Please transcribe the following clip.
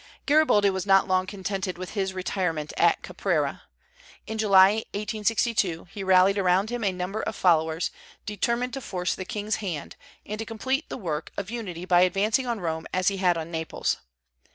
Garibaldi was not long contented with his retirement at Caprera. In July, 1862, he rallied around him a number of followers, determined to force the king's hand, and to complete the work of unity by advancing on Rome as he had on Naples.